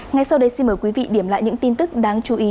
ngay sau đây xin mời quý vị điểm lại những tin tức đáng chú ý